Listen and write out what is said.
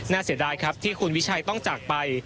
เสียดายครับที่คุณวิชัยต้องจากไป